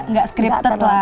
enggak scripted lah